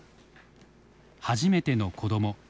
初めての子ども。